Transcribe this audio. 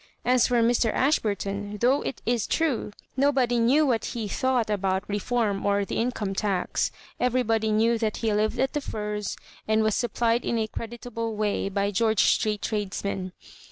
As for Mr. Ashburton, though it is true nobody knew what he thought about Re form or the Income tax, everybody knew that he lived at tKe Firs, and was supplied in a cre ditable way by George Street tradesmen.